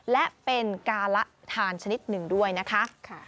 และเป็นการละทานชนิดหนึ่งด้วยนะคะ